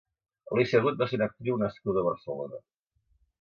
Alicia Agut va ser una actriu nascuda a Barcelona.